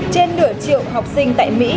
trên nửa triệu học sinh tại mỹ